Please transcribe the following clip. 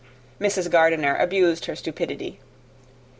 Mrs. Gardiner abused her stupidity.